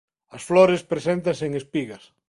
As flores preséntanse en espigas.